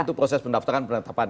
itu proses pendaftaran penetapan